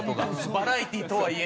バラエティーとはいえ。